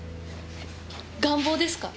願望ですか？